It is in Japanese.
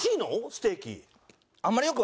ステーキ。